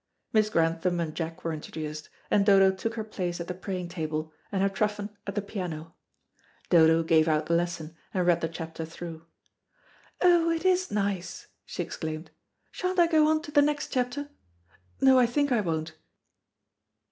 Miss Grantham and Jack were introduced, and Dodo took her place at the praying table, and Herr Truffen at the piano. Dodo gave out the lesson, and read the chapter through.. "Oh, it is nice!" she exclaimed. "Sha'n't I go on to the next chapter? No, I think I won't."